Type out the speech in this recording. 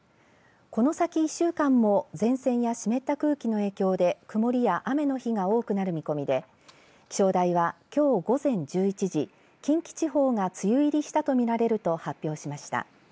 この先１週間も前線や湿った空気の影響で曇りや雨の日などが多くなる見込みで気象台は、きょう午前１１時近畿地方が梅雨入りしたとみられると発表しました。